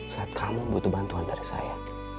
saat kamu butuh bantuan dari saya